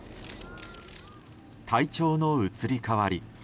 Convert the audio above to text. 体調の移り変わり。